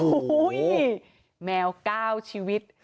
โอ้โหแมวก้าวชีวิต